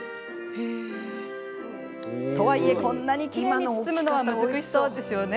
とはいえ、こんなにきれいに包むのは難しそうですよね。